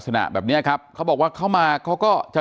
อ๋อเจ้าสีสุข่าวของสิ้นพอได้ด้วย